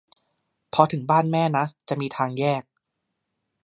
พอถึงบ้านแม่นะจะมีทางแยก